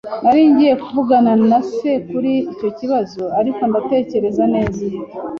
Nari ngiye kuvugana na se kuri icyo kibazo, ariko ndatekereza neza